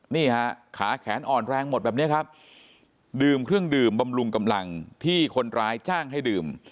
นี่ฮะขาแขนอ่อนแรงหมดแบบนี้ครับดื่มเครื่องดื่มบำรุงกำลังที่คนร้ายจ้างให้ดื่ม